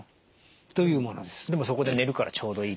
でもそこで寝るからちょうどいい？